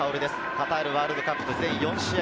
カタールワールドカップ全４試合